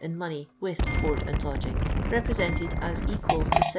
in money, with board and lodging, repre>ented as equal to 7s.